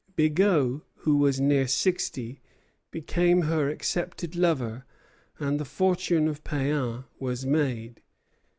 Bigot, who was near sixty, became her accepted lover; and the fortune of Péan was made.